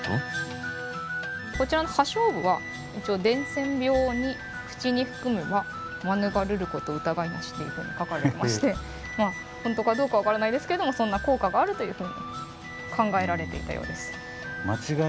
こちらの葉菖蒲は一応「伝染病に口に含めば免るること疑いなし」っていうふうに書かれてまして本当かどうか分からないですけどもそんな効果があるというふうに考えられていたようです。